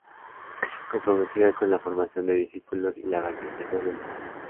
Comprometida con la formación de discípulos y la evangelización del mundo.